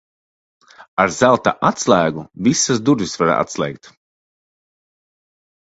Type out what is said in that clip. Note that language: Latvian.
Ar zelta atslēgu visas durvis var atslēgt.